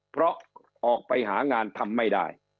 เพราะออกไปหางานทำไม่ได้